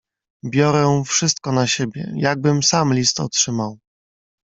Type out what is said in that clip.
"Biorę wszystko na siebie, jakbym sam list otrzymał."